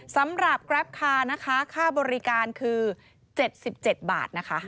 สำหรับกราฟคาร์ค่าบริการคือ๗๗บาท